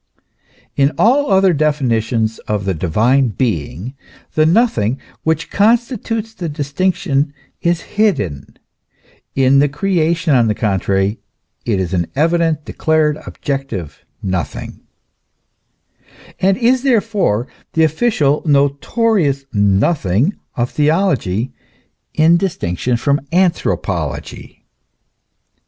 In all other definitions of the Divine Being the " nothing" which constitutes the distinction is hidden ; in the creation, on the contrary, it is an evident, declared, objective nothing ; and is therefore the official, notorious nothing of theology in dis tinction from anthropology.